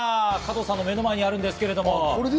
加藤さんの目の前にあるんです。